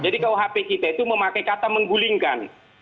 jadi kuhp kita itu memakai kata menggulingkan